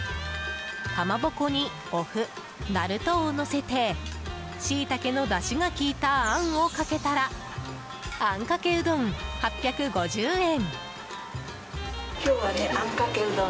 かまぼこに、おふナルトをのせてシイタケのだしが利いたあんをかけたらあんかけうどん、８５０円。